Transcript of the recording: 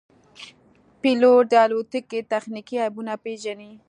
پیلوټ د الوتکې تخنیکي عیبونه پېژني.